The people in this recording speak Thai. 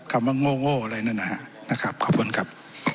คำว่างโอเรื่อยนั้นน่ะนะครับขอบคุณครับ